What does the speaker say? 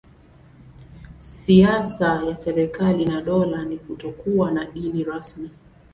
Siasa ya serikali na dola ni kutokuwa na dini rasmi.